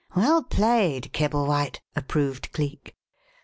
"Well played, Kibblewhite!" approved Cleek.